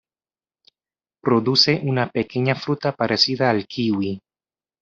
Produce una pequeña fruta parecida al kiwi.